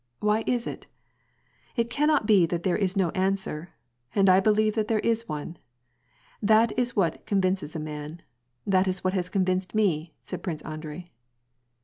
Why is it ? It cannot be that there is no answer, and I believe that there is one. That is what con vinces a man, that is what has convinced me/' said Prince Andrei.